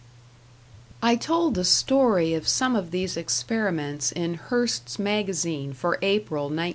I told the story of some of these experiments in Hearst's Magazine for April, 1914.